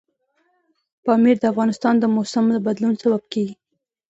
پامیر د افغانستان د موسم د بدلون سبب کېږي.